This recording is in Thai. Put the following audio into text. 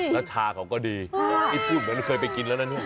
แล้วชาเขาก็ดีนี่พูดเหมือนเคยไปกินแล้วนะนี่